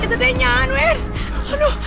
itu dia nek